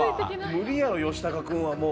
無理やろヨシタカ君はもう。